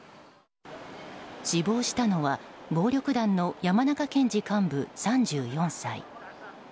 死亡したのは暴力団の山中健司幹部、３４歳。